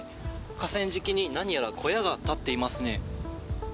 河川敷に何やら小屋が建っていますね。